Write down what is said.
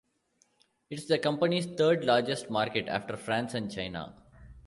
It's the company's third largest market, after France and China.